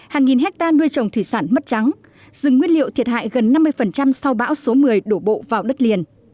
hàng nghìn hectare nuôi trồng thủy sản mất trắng rừng nguyên liệu thiệt hại gần năm mươi sau bão số một mươi đổ bộ vào đất liền